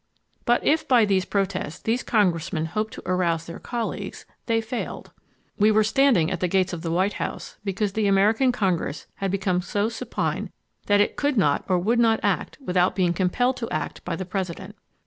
But if by these protests these congressmen hoped to arouse their colleagues, they failed. We were standing at the gates of the White House because the American Congress had become so supine that it could not or would not act without being compelled to act by the President.